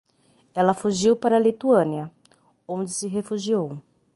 Ela fugiu para a Lituânia, onde se refugiou